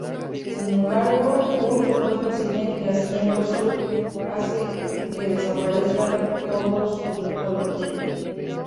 Sin embargo, un supuesto accidente haciendo surf hace que desaparezcan todos sus recuerdos.